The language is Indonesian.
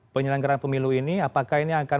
penyelenggaran pemilu ini apakah ini akan